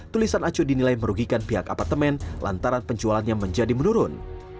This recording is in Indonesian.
tulisan aco dinilai merugikan pihak apartemen lantaran penjualannya menjadi menurun